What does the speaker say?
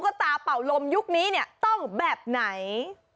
ก็ตาเป่าลมยุคนี้เนี่ยต้องแบบไหน